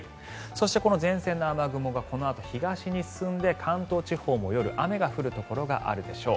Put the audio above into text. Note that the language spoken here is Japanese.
そして、この前線の雨雲がこのあと東に進んで関東地方も夜雨が降るところがあるでしょう。